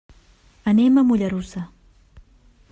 Anem a Mollerussa.